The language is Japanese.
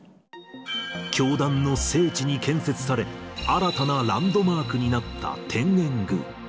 教団の聖地に建設され、新たなランドマークになった天苑宮。